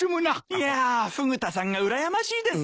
いやフグ田さんがうらやましいです。